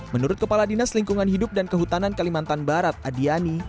menurut kepala dinas lingkungan hidup dan kehutanan kalimantan barat adiani